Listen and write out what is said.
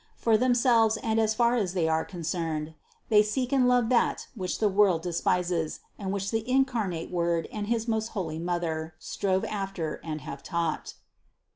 For themselves and as far as they are concerned, they seek and love that which the world despises and which the incarnate Word and his most holy Mother strove after and have taught."